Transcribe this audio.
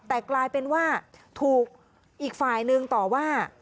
แต่กลายเป็นว่าถูกอีกฝ่ายหนึ่งต่อว่า